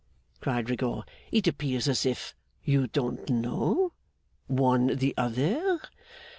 cried Rigaud. 'It appears as if you don't know, one the other.